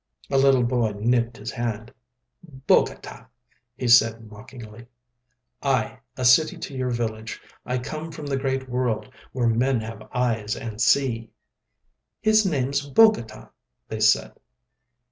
A little boy nipped his hand. "Bogota!" he said mockingly. "Aye! A city to your village. I come from the great world—where men have eyes and see." "His name's Bogota," they said.